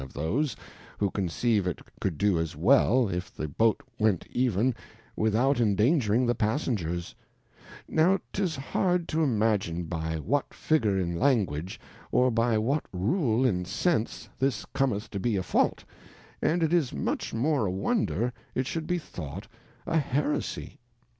of those, who conceive it would do as well, if the Boat went even, without endangering the Passen^[ers; now 'tis hard to imtigin by what Figure in Language, or by what Rule in Sense this cometh to be a faulty and it is much more a wonder it should be thought a Heresy.